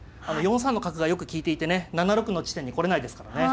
４三の角がよく利いていてね７六の地点に来れないですからね。